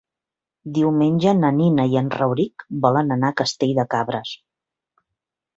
Diumenge na Nina i en Rauric volen anar a Castell de Cabres.